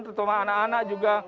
terutama anak anak juga